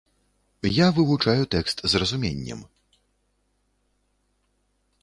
Я вывучаю тэкст з разуменнем.